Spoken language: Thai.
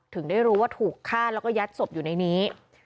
ถึงได้รู้ว่าถูกฆ่าแล้วก็ยัดศพอยู่ในนี้